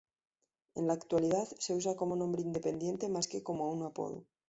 En la actualidad, se usa como nombre independiente más que como un apodo.